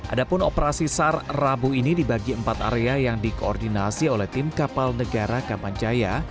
adapun operasi sar rabu ini dibagi empat area yang dikoordinasi oleh tim kapal negara kamanjaya